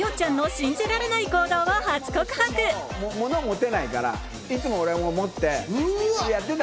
物持てないからいつも俺持ってやってた。